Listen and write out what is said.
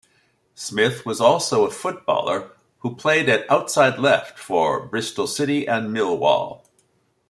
Smith was also a footballer who played at outside-left for Bristol City and Millwall.